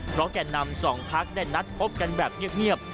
เพราะแก่นำสองพักได้นัดพบกันแบบเงียบ